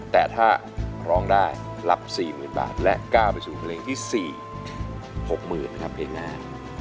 แต่ถ้าร้องได้รับสี่หมื่นบาทและกล้าไปสู่เพลงที่สี่หกหมื่นนะครับเพลงน้ำ